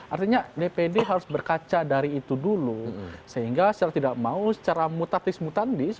artinya dpd harus berkaca dari itu dulu sehingga secara tidak mau secara mutatis mutandis